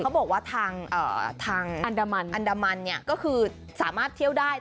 ก็บอกว่าทางอันดามันก็คือสามารถเที่ยวได้